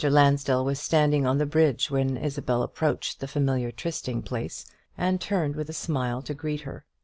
Lansdell was standing on the bridge when Isabel approached the familiar trysting place, and turned with a smile to greet her.